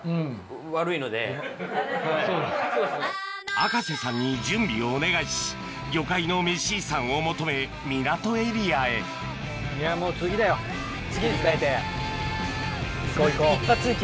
赤瀬さんに準備をお願いし魚介のメシ遺産を求め港エリアへ切り替えて行こう行こう。